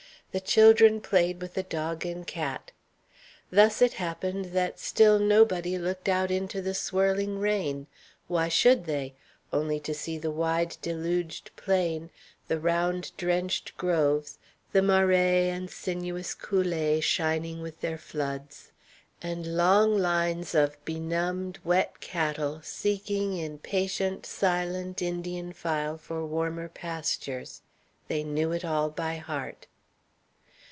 The children played with the dog and cat. Thus it happened that still nobody looked out into the swirling rain. Why should they? Only to see the wide deluged plain, the round drenched groves, the maraises and sinuous coolées shining with their floods, and long lines of benumbed, wet cattle seeking in patient, silent Indian file for warmer pastures. They knew it all by heart.